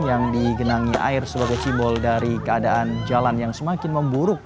yang digenangi air sebagai simbol dari keadaan jalan yang semakin memburuk